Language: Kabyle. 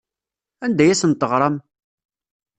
Anda ay asen-teɣram?